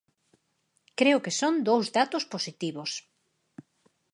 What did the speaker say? Creo que son dous datos positivos.